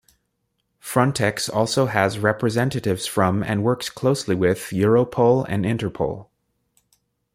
Frontex also has representatives from and works closely with Europol and Interpol.